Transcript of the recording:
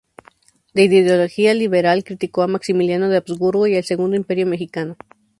De ideología liberal, criticó a Maximiliano de Habsburgo y al Segundo Imperio Mexicano.